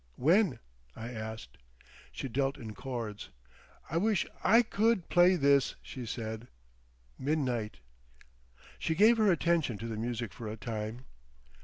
"When?" I asked. She dealt in chords. "I wish I could play this!" she said. "Midnight." She gave her attention to the music for a time.